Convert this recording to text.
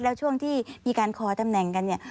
แล้วช่วงที่มีการคอตำแหน่งกันเนี่ย